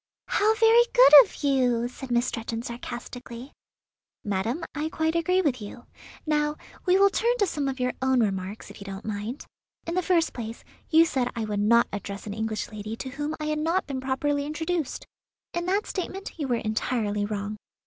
"How very good of you!" said Miss Stretton sarcastically. "Madam, I quite agree with you. Now we will turn to some of your own remarks, if you don't mind. In the first place, you said I would not address an English lady to whom I had not been properly introduced. In that statement you were entirely wrong.